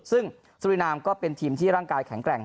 ซึ่งสุรินามก็เป็นทีมที่ร่างกายแข็งแกร่ง